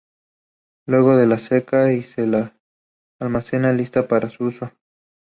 Luego se las seca y se las almacena, listas para su uso.